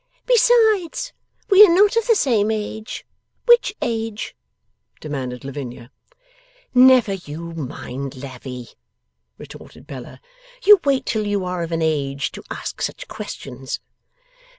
'Besides, we are not of the same age: which age?' demanded Lavinia. 'Never YOU mind, Lavvy,' retorted Bella; 'you wait till you are of an age to ask such questions.